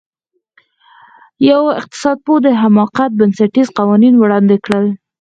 یوه اقتصادپوه د حماقت بنسټیز قوانین وړاندې کړل.